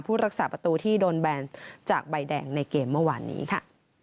รักษาประตูที่โดนแบนจากใบแดงในเกมเมื่อวานนี้ค่ะ